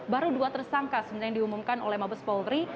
baru dua tersangka sebenarnya yang diumumkan oleh mabes polri